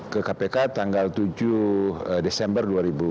ke kpk tanggal tujuh desember dua ribu lima belas